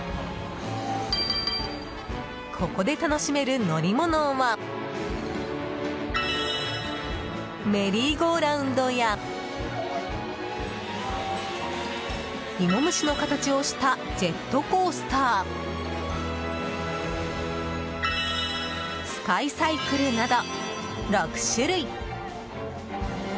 ここで楽しめる乗り物はメリーゴーラウンドやイモムシの形をしたジェットコースタースカイサイクルなど６種類。